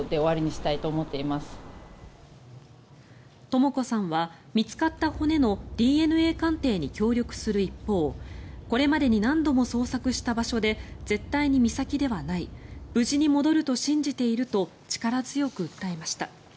とも子さんは、見つかった骨のＤＮＡ鑑定に協力する一方これまでに何度も捜索した場所で絶対に美咲ではない無事に戻ると信じていると力強く訴えました。